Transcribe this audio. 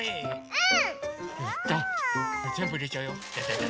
うん！